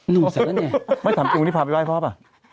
หนูเสริมแล้วเนี่ยไม่ถามจริงวันนี้พาไปไหว้พ่อป่ะ